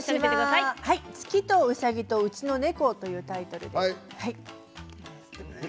月とうさぎとうちの猫というタイトルです。